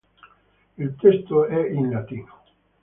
Il testo è in latino.